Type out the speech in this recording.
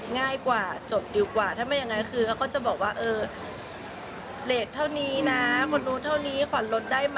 ง่ายกว่าจบดีกว่าถ้าไม่อย่างนั้นคือเขาก็จะบอกว่าเออเลสเท่านี้นะหมดนู้นเท่านี้ขวัญลดได้ไหม